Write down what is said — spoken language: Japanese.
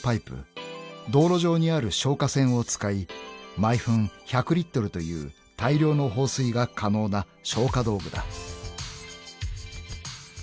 ［道路上にある消火栓を使い毎分１００リットルという大量の放水が可能な消火道具だ］